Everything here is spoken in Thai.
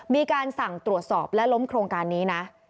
มีการสั่งตรวจสอบและล้มโครงการนี้นะ